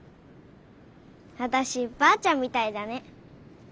わたしばあちゃんみたいだね。